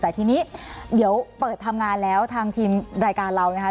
แต่ทีนี้เดี๋ยวเปิดทำงานแล้วทางทีมรายการเรานะคะ